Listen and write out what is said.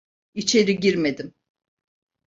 İçeri girmedim.